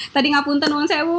tadi ngapun tenungan saya bu